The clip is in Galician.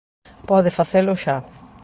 Pode facelo xa.